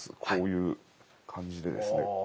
こういう感じでですね。